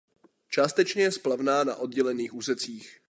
Částečně je splavná na oddělených úsecích.